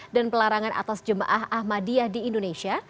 dan pelarangan atas jemaah ahmadiyah di indonesia